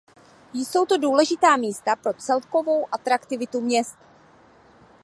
Jsou to důležitá místa pro celkovou atraktivitu měst.